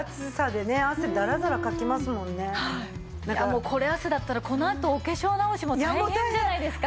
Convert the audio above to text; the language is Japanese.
いやもうこれ汗だったらこのあとお化粧直しも大変じゃないですか。